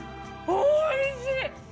おいしい！